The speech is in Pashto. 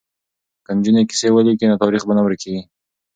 که نجونې کیسې ولیکي نو تاریخ به نه ورکيږي.